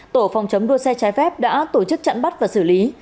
tổ phòng chống đua xe trái phép đã tổ chức chặn bắt và xử lý